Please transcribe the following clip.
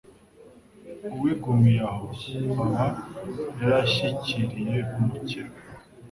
uwigumiye aho aba yarashyikiriye umukiro